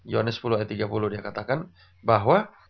yohanes sepuluh ayat tiga puluh dia katakan bahwa